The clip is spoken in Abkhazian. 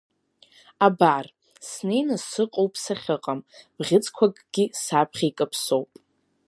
Абар, снеины сыҟоуп сахьыҟам, бӷьыцқәакгьы саԥхьа икаԥсоуп.